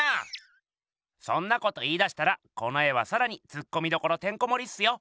そんなこと言いだしたらこの絵はさらにツッコミどころてんこもりっすよ。